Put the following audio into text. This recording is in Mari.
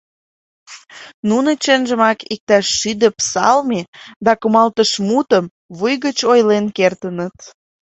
Нуно чынжымак иктаж шӱдӧ псалме да кумалтышмутым вуй гыч ойлен кертыныт.